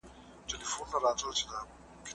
سپین ویښتان په انسان کې د تجربې نښه وي.